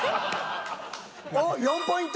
おっ４ポイント。